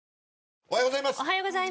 おはようございます。